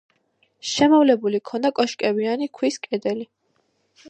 შემოვლებული ჰქონდა კოშკებიანი ქვის კედელი.